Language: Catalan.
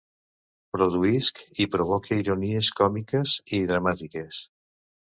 Produïsc i provoque ironies còmiques i dramàtiques.